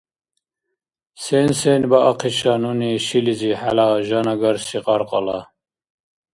Сен–сен баахъиша нуни шилизи хӏела жанагарси кьаркьала?